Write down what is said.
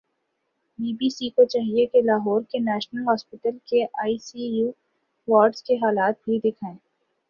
be B C کو چاہیے کہ لاہور کے نیشنل ہوسپٹل کے آئی سی یو وارڈز کے حالات بھی دیکھائیں